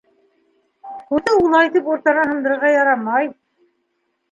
— Һүҙҙе улайтып уртанан һындырырға ярамай.